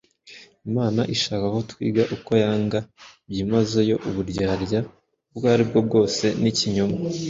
Imana ishaka ko twiga uko yanga byimazeyo uburyarya ubwo ari bwo bwose n’ikinyoma.